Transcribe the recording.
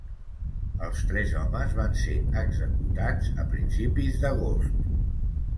Els tres homes van ser executats a principis d'agost.